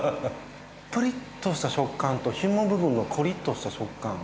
プリッとした食感とひも部分のコリッとした食感。